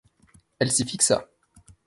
Elle s’y fixa.